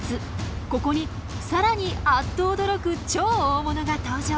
ここに更にあっと驚く超大物が登場！